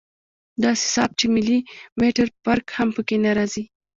داسې صاف چې ملي مټر فرق هم پکښې نه رځي.